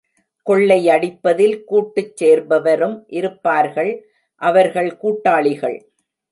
கொள்ளை அடிப்பதில் கூட்டுச் சேர்பவரும் இருப்பார்கள் அவர்கள் கூட்டாளிகள்.